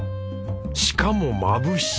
しかもまぶし。